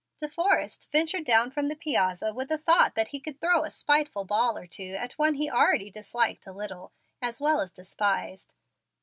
De Forrest ventured down from the piazza, with the thought that he could throw a spiteful ball or two at one he already disliked a little, as well as despised.